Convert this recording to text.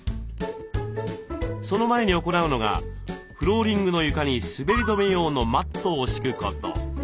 その前に行うのがフローリングの床に滑り止め用のマットを敷くこと。